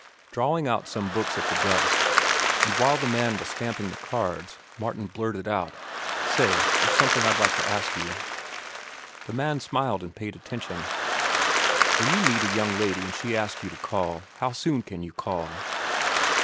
Drawing out some books at the desk, and while the man was stamping the cards, Martin blurted out: "Say, there's something I'd like to ask you." The man smiled and paid attention. "When you meet a young lady an' she asks you to call, how soon can you call?"